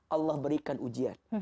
allah berikan ujian